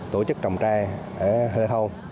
tổ chức trồng tre ở hơi thôn